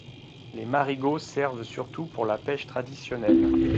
Les marigots servent surtout pour la pêche traditionnelle.